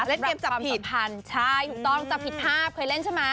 เล่นเกมจับผิดพันใช่ถูกต้องจับผิดภาพเคยเล่นใช่ไหม